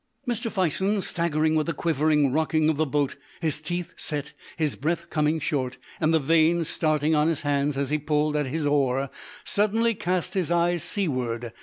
Mr. Fison, staggering with the quivering rocking of the boat, his teeth set, his breath coming short, and the veins starting on his hands as he pulled at his oar, suddenly cast his eyes seaward.